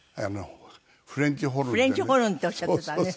フレンチホルンっておっしゃってたね